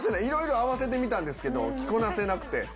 いろいろ合わせてみたけど着こなせなくて。